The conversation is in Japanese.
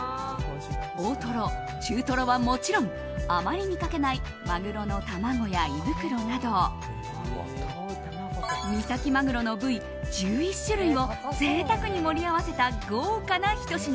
大トロ、中トロはもちろんあまり見かけないマグロの卵や胃袋など三崎マグロの部位１１種類を贅沢に盛り合わせた豪華なひと品。